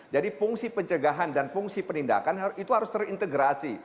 jadi fungsi pencegahan dan fungsi penindakan itu harus terintegrasi